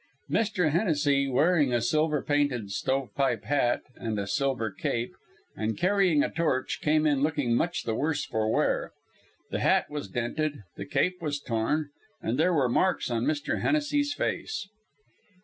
Mr. Hennessy, wearing a silver painted stovepipe hat and a silver cape and carrying a torch, came in, looking much the worse for wear. The hat was dented, the cape was torn, and there were marks on Mr. Hennessy's face.